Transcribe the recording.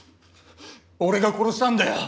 俺が殺したんだよ！